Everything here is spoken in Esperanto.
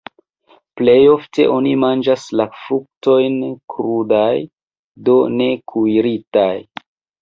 Plej ofte oni manĝas la fruktojn krudaj, do ne kuiritaj.